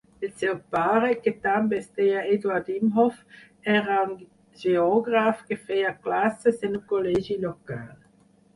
El seu pare, que també es deia Eduard Imhof, era un geògraf que feia classes en un col·legi local.